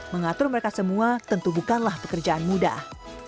mengatur mereka semua tentu bukanlah pekerjaan mudah